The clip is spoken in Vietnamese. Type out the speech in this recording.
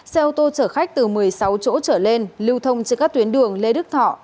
xe ô tô chở khách từ một mươi sáu chỗ trở lên lưu thông trên các tuyến đường lê đức thọ